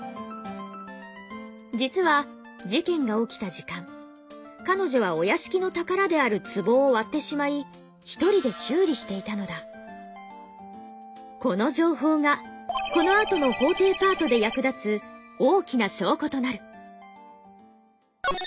実は事件が起きた時間彼女はお屋敷の宝であるツボを割ってしまいこの情報がこのあとの「法廷」パートで役立つ大きな「証拠」となる。